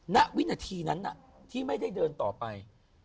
ณวินาทีนั้นที่ไม่ได้เดินต่อไป